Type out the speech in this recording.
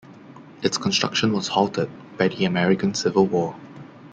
Its construction was halted by the American Civil War.